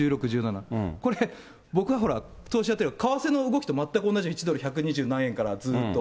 これ、僕、ほら、投資やってるから、為替の動きと同じ、１ドル１２０何円からずっと。